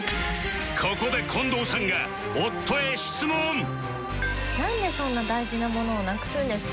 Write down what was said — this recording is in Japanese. ここで近藤さんが夫へ質問なんでそんな大事なものをなくすんですか？